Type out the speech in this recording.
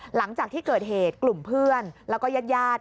หลังจากที่เกิดเหตุกลุ่มเพื่อนแล้วก็ญาติญาติ